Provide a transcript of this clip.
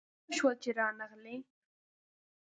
څه وشول چي رانغلې ؟